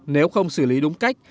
nếu không xử lý đúng cách